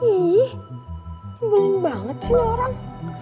belin banget sih orang